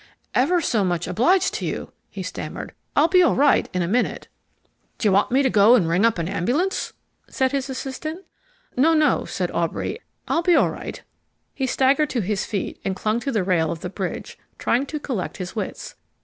"Ever so much obliged to you," he stammered. "I'll be all right in a minute." "D'you want me to go and ring up a nambulance?" said his assistant. "No, no," said Aubrey; "I'll be all right." He staggered to his feet and clung to the rail of the bridge, trying to collect his wits.